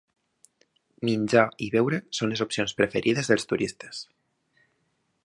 Menjar i beure són les opcions preferides dels turistes.